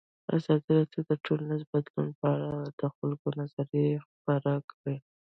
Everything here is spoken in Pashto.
ازادي راډیو د ټولنیز بدلون په اړه د خلکو نظرونه خپاره کړي.